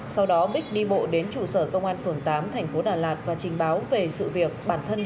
sau đó bích đi bộ đến chủ sở công an phường tám thành phố đà lạt và trình báo về sự việc bản thân bị cướp